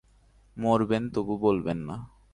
মরবেন, তবু বলবেন না।